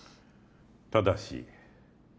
ただし